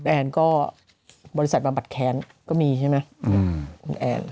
แอนก็บริษัทบำบัดแค้นก็มีใช่ไหมคุณแอน